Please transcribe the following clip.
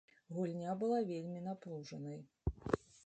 Гульня была вельмі напружанай.